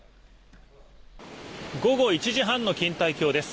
午後１時半の錦帯橋です。